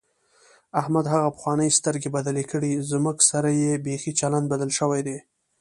احمد هغه پخوانۍ سترګې بدلې کړې، زموږ سره یې بیخي چلند بدل شوی دی.